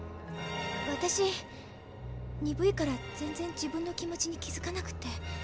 私にぶいから全然自分の気持ちに気づかなくて。